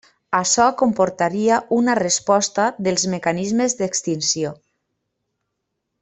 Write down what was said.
Açò comportaria una resposta dels mecanismes d'extinció.